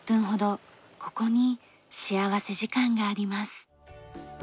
ここに幸福時間があります。